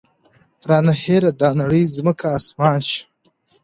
رانه هېره دا نړۍ ځمکه اسمان شي